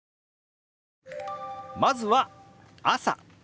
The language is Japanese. まずは「朝」。